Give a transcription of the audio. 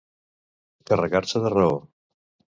Carregar-se de raó.